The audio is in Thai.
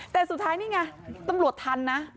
แต่สุดท้ายนี่ไงตำรวจทันนะ